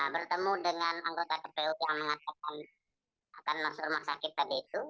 bertemu dengan anggota kpu yang mengatakan akan masuk rumah sakit tadi itu